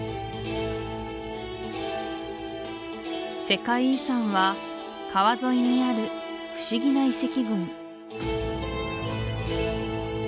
世界遺産は川沿いにある不思議な遺跡群